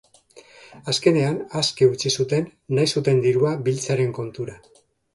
Azkenean, aske utzi zuten nahi zuten dirua biltzearen kontura.